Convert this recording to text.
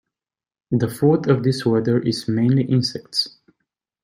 The food of this wheatear is mainly insects.